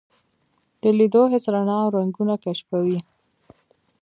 د لیدو حس رڼا او رنګونه کشفوي.